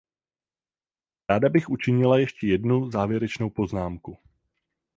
Ráda bych učinila ještě jednu závěrečnou poznámku.